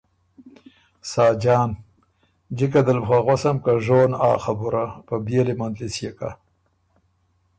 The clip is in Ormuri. ساجان ـــ جِکه دل بُو خه غوَسم که ژون آ خبُره، په بيېلی مندلِس يې کۀ“